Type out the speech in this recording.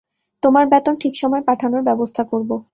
তোমার বেতন ঠিক সময় পাঠানোর ব্যবস্থা করব।